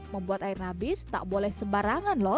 membuat air nabis tak boleh sembarangan loh